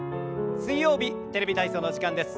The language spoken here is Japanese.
水曜日「テレビ体操」の時間です。